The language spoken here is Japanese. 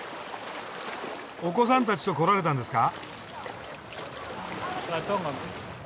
お子さんたちと来られたんですか？